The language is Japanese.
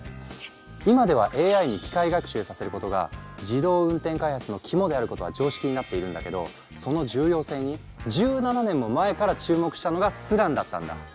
今ではＡＩに機械学習させることが自動運転開発の肝であることは常識になっているんだけどその重要性に１７年も前から注目したのがスランだったんだ。